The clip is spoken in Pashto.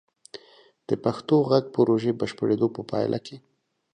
د پښتو غږ پروژې بشپړیدو په پایله کې: